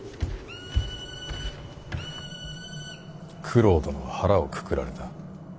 九郎殿は腹をくくられた。